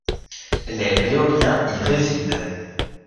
Les Bréoliens y résident.